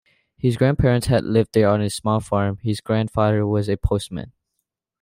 His grandparents had lived there on a small farm; his grandfather was a postman.